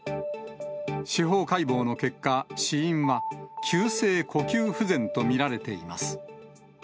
司法解剖の結果、死因は急性呼吸不全と見られています。